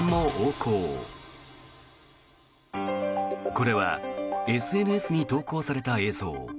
これはＳＮＳに投稿された映像。